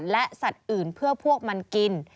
และสัตว์อื่นเพื่อพวกมันกิน